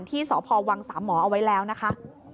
ที่สพวังสามหมอเอาไว้แล้วนะคะ